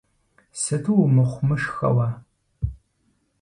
Сыту умыхъумышхэ уэ.